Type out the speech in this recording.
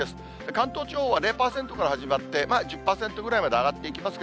関東地方は０％から始まって、１０％ぐらいまで上がっていきます